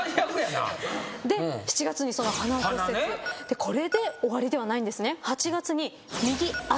これで終わりではないんですね。